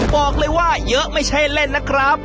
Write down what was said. บอกเลยว่าเยอะไม่ใช่เล่นนะครับ